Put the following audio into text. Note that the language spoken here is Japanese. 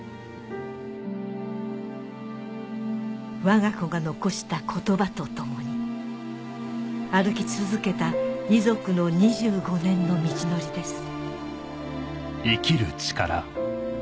わが子が残した言葉と共に歩き続けた遺族の２５年の道のりです